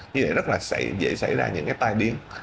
như vậy rất là dễ xảy ra những cái tai điên